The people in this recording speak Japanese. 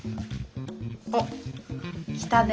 おっ来たね